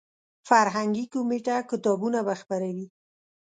فرهنګي کمیټه کتابونه به خپروي.